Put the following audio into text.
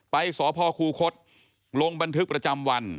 ไปสพคูคศลงบันทึกประจำวัน